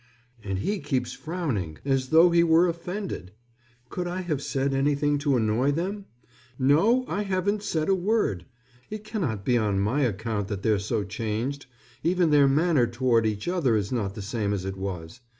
And he keeps frowning as though he were offended. Could I have said anything to annoy them? No, I haven't said a word. It cannot be on my account that they're so changed. Even their manner toward each other is not the same as it was.